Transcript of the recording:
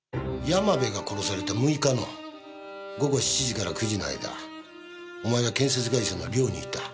山辺が殺された６日の午後７時から９時の間お前は建設会社の寮にいた。